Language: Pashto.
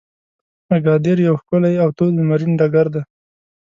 اګادیر یو ښکلی او تود لمرین ډګر دی.